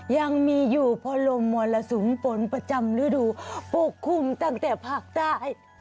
ยังมีอยู่พอลมมรสุมฝนประจำฤดูปกคลุมตั้งแต่ภาคใต้